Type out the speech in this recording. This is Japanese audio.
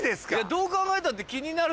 どう考えたって。